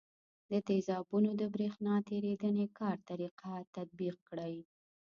د تیزابونو د برېښنا تیریدنې کار طریقه تطبیق کړئ.